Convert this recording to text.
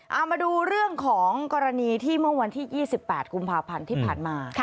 เอามาดูเรื่องของกรณีที่เมื่อวันที่๒๘กุมภาพันธ์ที่ผ่านมา